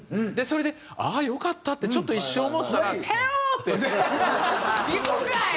それでああよかったってちょっと一瞬思ったら「手を」って。いくんかい！